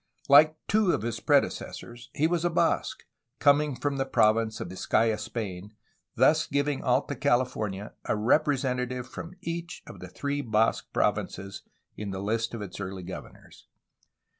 Like two of his predecessors, he was a Basque, coming from the province of Vizcaya, Spain, thus giving Alta California a representative from each of the three Basque provinces in the Hst of its early governors.